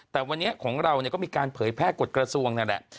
แต่วันนี้ของเราก็มีการเผยแพร่กฎกระทรวงนั่นแหละ